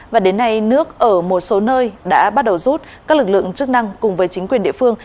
và đến nay nước ở một số nơi đã bắt đầu rút các lực lượng chức năng cùng với chính quyền địa phương